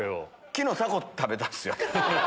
昨日タコ食べたんすよ。